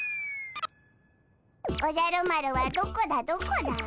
おじゃる丸はどこだどこだ？